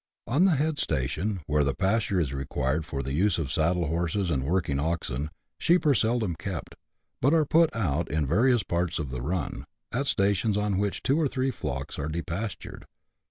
On the head station, where the pasture is required for the use of saddle horses and working oxen, sheep are seldom kept, but are '•' put out " in various parts of the run, at stations on which two or three flocks are depastured.